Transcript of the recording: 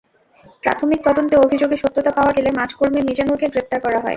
প্রাথমিক তদন্তে অভিযোগের সত্যতা পাওয়া গেলে মাঠকর্মী মিজানুরকে গ্রেপ্তার করা হয়।